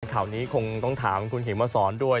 ข่าวนี้คงต้องถามคุณเหยียงมาศรด้วย